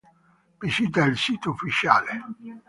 Visita il sito ufficiale